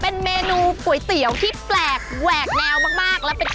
เป็นเมนูก๋วยเตี๋ยวที่แปลกแวกแนวมาก